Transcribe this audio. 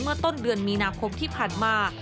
เมื่อต้นเดือนมีนาคมที่ผ่านมา